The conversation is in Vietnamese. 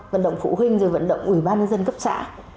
vận động phụ huynh rồi vận động ủy ban nhân dân cấp xã